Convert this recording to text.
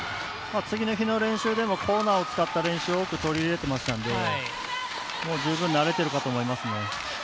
次の日の練習でもコーナーを使った練習を多く取り入れていたので十分、慣れていると思います。